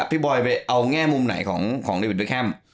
พี่บอยไปเอาง่ายมุมไหนของเดย์เบ็ดแคมป์